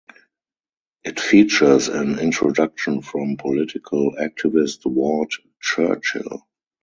It features an introduction from political activist Ward Churchill.